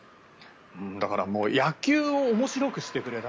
だから野球を面白くしてくれる。